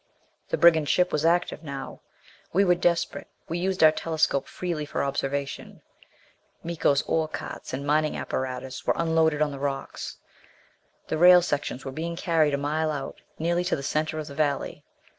The brigand ship was active now. We were desperate; we used our telescope freely for observation. Miko's ore carts and mining apparatus were unloaded on the rocks. The rail sections were being carried a mile out, nearly to the center of the valley.